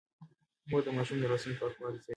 مور د ماشوم د لاسونو پاکوالی څاري.